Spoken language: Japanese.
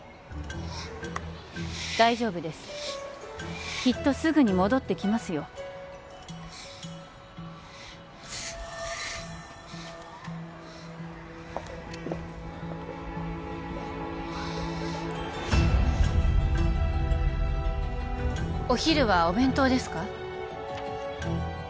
大丈夫ですきっとすぐに戻ってきますよお昼はお弁当ですか？